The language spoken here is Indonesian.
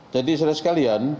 jadi saya rasa sekalian